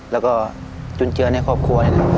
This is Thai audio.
แล้วก็จุนเจือนให้ครอบครัวนะครับ